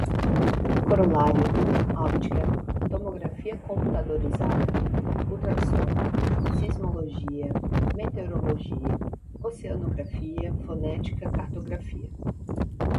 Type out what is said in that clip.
corolário, óptica, tomografia computadorizada, ultrassom, sismologia, meteorologia, oceanografia, fonética, cartografia